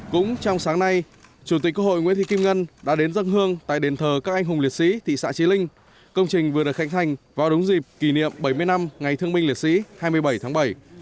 cũng trong sáng nay chủ tịch quốc hội nguyễn thị kim ngân đã đến dân hương tại đền thờ các anh hùng liệt sĩ thị xã trí linh công trình vừa được khánh thành vào đúng dịp kỷ niệm bảy mươi năm ngày thương minh liệt sĩ hai mươi bảy tháng bảy